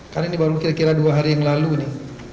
karena ini baru kira kira dua hari yang lalu ini